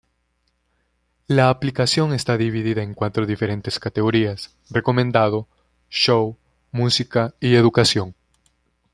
La aplicación está dividida en cuatro diferentes categorías: "Recomendado", "Shows", "Música" y "Educación".